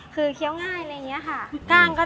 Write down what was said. คือเคี้ยวง่ายอะไรอย่างนี้ค่ะ